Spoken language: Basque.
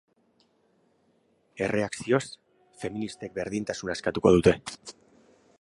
Erreakzioz, feministek berdintasuna eskatuko dute.